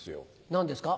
何ですか？